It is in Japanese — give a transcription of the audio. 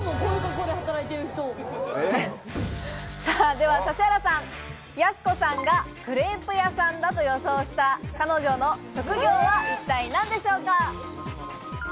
では指原さん、やす子さんがクレープ屋さんだと予想した彼女の職業は一体何でしょうか？